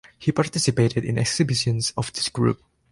He participated in exhibitions of this group.